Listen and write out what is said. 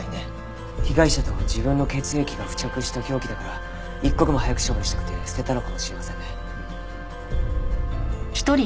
被害者と自分の血液が付着した凶器だから一刻も早く処分したくて捨てたのかもしれませんね。